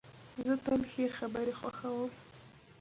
زه تل ښې خبري خوښوم.